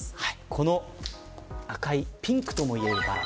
この赤いピンクともいえるバラ。